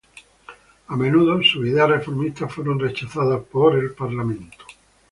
A menudo, sus ideas reformistas fueron rechazadas por el Parlamento.